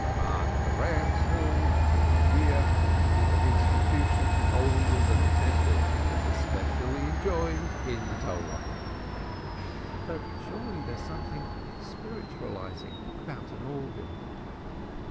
But the ram's horn on the New Year is an institution older than the Temple, and specially enjoined in the Bible." "But surely there is something spiritualizing about an organ."